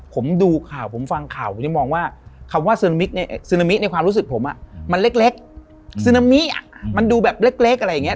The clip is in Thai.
ผมดูข่าวผมฟังข่าวผมยังมองว่าคำว่าซึนามิในความรู้สึกผมมันเล็กซึนามิมันดูแบบเล็กอะไรอย่างนี้